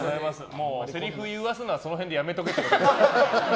もう、せりふ言わすのはその辺でやめとけっていう。